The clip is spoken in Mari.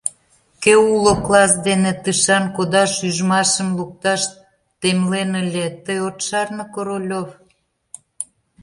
Кӧ уло класс дене тышан кодаш ӱжмашым лукташ темлен ыле, тый от шарне, Королёв?